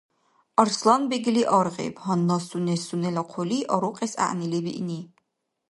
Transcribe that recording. Арсланбегли аргъиб, гьанна сунес сунела хъули арукьес гӀягӀнили биъни.